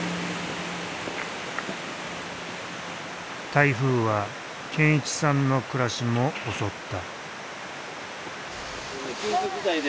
台風は健一さんの暮らしも襲った。